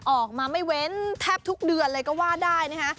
ออกมาไม่เว้นแทบทุกเดือนเลยก็ว่าได้นะคะ